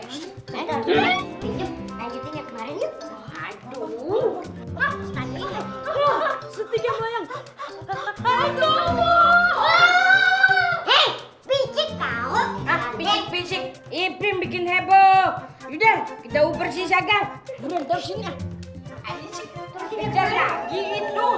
hai pijak kau bikin heboh kita bersih bersih